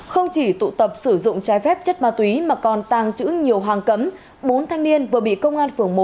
không chỉ tụ tập sử dụng trái phép chất ma túy mà còn tàng trữ nhiều hàng cấm bốn thanh niên vừa bị công an phường một